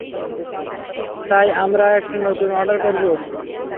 তাই আমরা একটা নতুন অর্ডার শুরু করব।